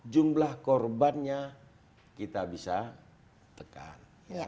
jumlah korbannya kita bisa tekan